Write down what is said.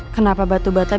kenapa batu bata bisa